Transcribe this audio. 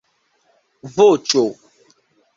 voĉo